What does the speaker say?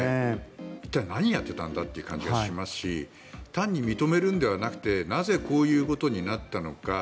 一体、何をやっていたんだという感じがしますし単に認めるのではなくてなぜこういうことになったのか。